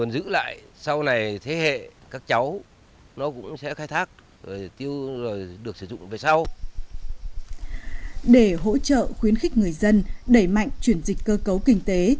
để hỗ trợ khuyến khích người dân đẩy mạnh chuyển dịch cơ cấu kinh tế